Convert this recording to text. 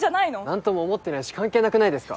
何とも思ってないし関係なくないですか？